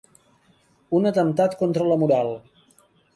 Un atemptat contra la moral.